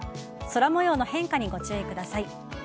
空模様の変化にご注意ください。